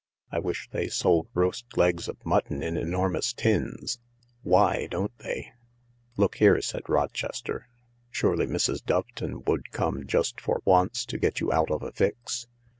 I wish they sold roast legs of mutton in enormous tins. Why don't they ?" "Look here," said Rochester, "surely Mrs. Doveton would come, just for once, to get you out of a fix